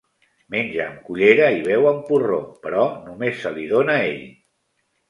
Menja amb cullera i beu amb porró, però només si li dóna ell.